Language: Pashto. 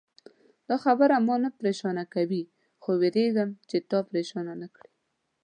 دا خبره ما نه پرېشانه کوي، خو وېرېږم چې تا پرېشانه نه کړي.